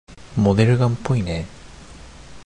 モデルガンっぽいね。